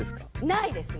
ないですね。